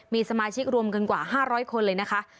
มีสมาชิกรวมกันกว่า๕๐๐คนเลยนะคะ